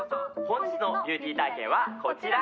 本日のビューティー体験はこちら！